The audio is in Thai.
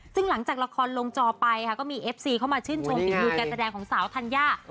ซึ่งหลังจากละครลงจอไปค่ะก็มีเอฟซีเข้ามาชื่นชมฝีมือการแสดงของสาวธัญญา